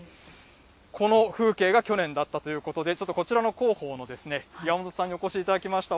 この風景が去年だったということで、ちょっとこちらの広報の岩本さんにお越しいただきました。